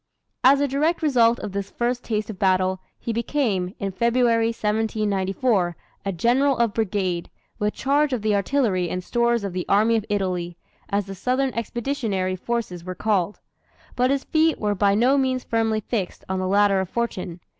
As a direct result of this first taste of battle, he became, in February, 1794, a General of Brigade, with charge of the artillery and stores of the "Army of Italy," as the southern expeditionary forces were called. But his feet were by no means firmly fixed on the ladder of fortune.